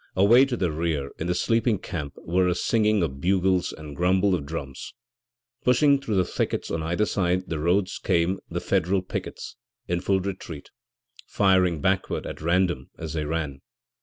Away to the rear, in the sleeping camp, were a singing of bugles and grumble of drums. Pushing through the thickets on either side the roads came the Federal pickets, in full retreat, firing backward at random as they ran.